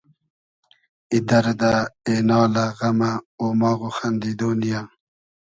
ای دئردۂ ، اېنالۂ ، غئمۂ ، اۉماغ و خئندیدۉ نییۂ